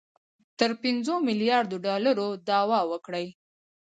تر پنځو میلیاردو ډالرو دعوه وکړي